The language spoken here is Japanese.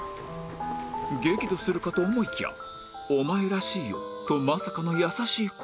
激怒するかと思いきや「お前らしいよ」とまさかの優しい言葉